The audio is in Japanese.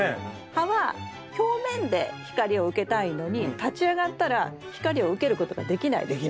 葉は表面で光を受けたいのに立ち上がったら光を受けることができないですよね。